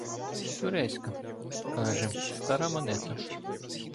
Турецька, каже, стара монета.